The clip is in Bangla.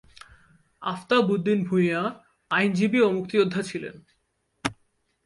আফতাব উদ্দিন ভূঁইয়া আইনজীবী ও মুক্তিযোদ্ধা ছিলেন।